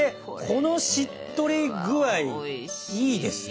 このしっとり具合いいですよ。